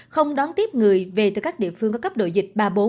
không đón tiếp người về từ các địa phương có cấp độ dịch ba bốn